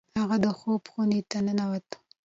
هغه د خوب خونې ته ننوت.